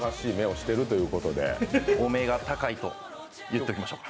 お目が高いと言っておきましょうか。